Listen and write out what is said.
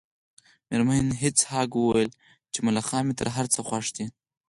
میرمن هیج هاګ وویل چې ملخان مې تر هر څه خوښ دي